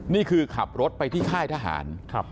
นี่คือขับรถไปที่ค่ายทหาร